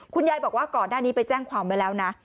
คุณยายบอกว่าก่อนหน้านี้ไปแจ้งความไว้แล้วนะ